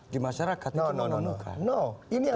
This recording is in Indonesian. di masyarakat itu mengemuka